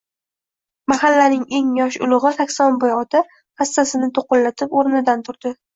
Mahallaning eng yoshi ulug`i Saksonboy ota hassasini to`qqilatib, o`rnidan turdi